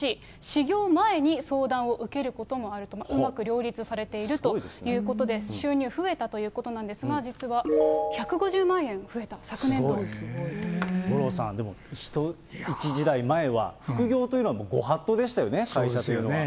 始業前に相談を受けることもあると、うまく両立されているということで、収入は増えたということなんですが、実は、１５０万円増えた、昨五郎さん、でも一時代前は、副業というのはもうご法度でしたよね、会社というのは。